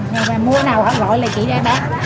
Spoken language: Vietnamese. người ta mua nào gọi thì chị ra bán